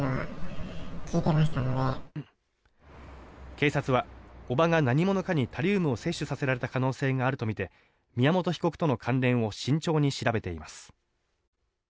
警察は叔母が何者かにタリウムを摂取させられた可能性があるとみて宮本被告との関連を慎重に調べています。